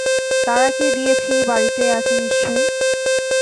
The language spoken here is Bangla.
তারাকে দিয়েছি বাড়িতেই আছে নিশ্চয়ই।